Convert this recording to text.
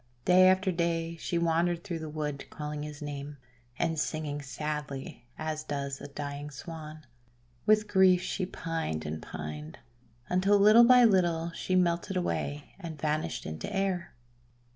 Day after day she wandered through the wood calling his name, and singing sadly as does a dying Swan. With grief she pined and pined, until little by little she melted away and vanished into air.